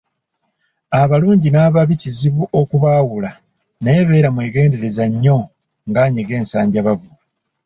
Abalungi n'ababi kizibu okubaawula naye beera mwegendereza nnyo ng'anyiga ensanjabavu.